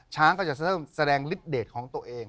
ช้างก็จะเสิร์ฟแสดงลิตเดทของตัวเอง